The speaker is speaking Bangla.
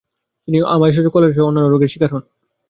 তিনি আমাশয়সহ কলেরা ও অন্যান্য রোগের শিকার হন।